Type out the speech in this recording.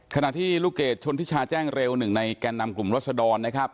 ขณะที่ลูกเกษชนพิชาแจ้งเร็วหนึ่งในการนำกลุ่มรวชดร